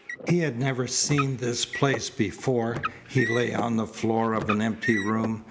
He had never seen this place before. He lay on the floor of an empty room.